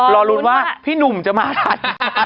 รอลุ้นว่าพี่หนุ่มจะมาทัน